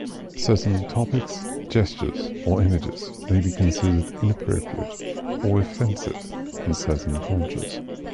Certain topics, gestures, or images may be considered inappropriate or offensive in certain cultures.